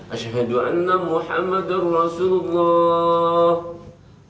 asyahadu an la muhammadur rasulullah